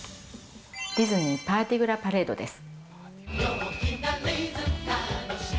ディズニー・パーティグラ・パレードです。